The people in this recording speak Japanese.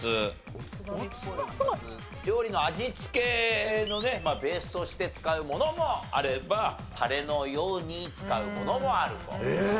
料理の味付けのねベースとして使うものもあればタレのように使うものもあると。